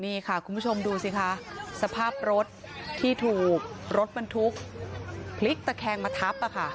นี่ค่ะคุณผู้ชมดูสิคะสภาพรถที่ถูกรถบรรทุกพลิกตะแคงมาทับ